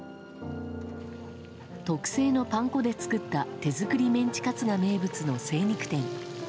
特製のパン粉で作った手作りメンチカツが名物の精肉店。